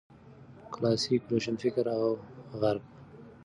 کلاسیک روشنفکر او غرب